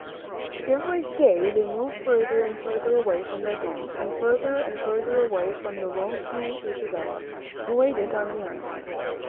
Every day they moved further and further away from their home, and further and further away from the lonely Isabella, who waited on the island.